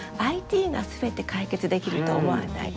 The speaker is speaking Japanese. ＩＴが全て解決できると思わない。